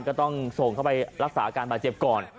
ก็ต้องส่งเขากลับไปรักษาการบาศเจ็บก่อน